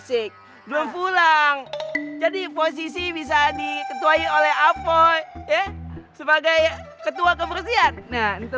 asik belum pulang jadi posisi bisa diketuai oleh apoy sebagai ketua kebersihan nah itu